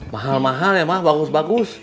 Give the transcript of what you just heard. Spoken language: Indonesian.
mahal mahal ya mah bagus bagus